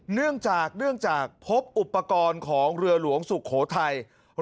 เนื่องจากเนื่องจากพบอุปกรณ์ของเรือหลวงสุโขทัย